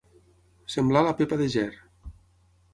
Semblar la Pepa de Ger.